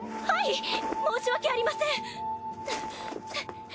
はい申し訳ありません！